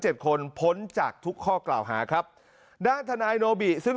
คนพ้นจากทุกข้อกล่าวหาครับด้านทนายโนบิซึ่ง